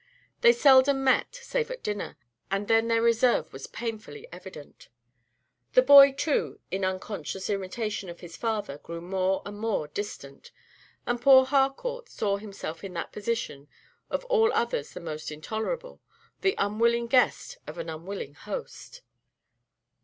They seldom met, save at dinner, and then their reserve was painfully evident. The boy, too, in unconscious imitation of his father, grew more and more distant; and poor Harcourt saw himself in that position, of all others the most intolerable, the unwilling guest of an unwilling host.